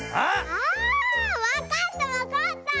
あわかったわかった。